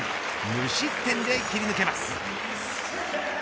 無失点で切り抜けます。